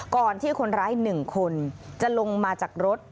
ก่อนที่คนร้าย๑คนจะลงมาจากรถ